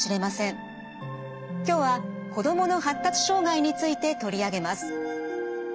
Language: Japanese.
今日は子どもの発達障害について取り上げます。